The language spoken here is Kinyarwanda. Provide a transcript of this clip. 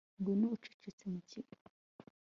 ngwino ucecetse mu kigo